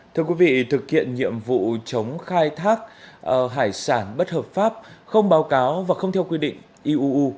thực hiện nhiệm vụ chống khai thác hải sản bất hợp pháp không báo cáo và không theo quy định eu